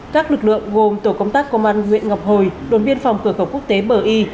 các lực lượng gồm tổ công tác công an huyện ngọc hồi đồn biên phòng cửa khẩu quốc tế bờ y